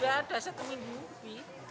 ya ada satu minit